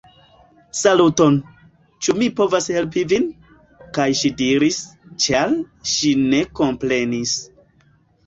Saluton? Ĉu mi povas helpi vin? kaj ŝi diris, ĉar ŝi ne komprenis: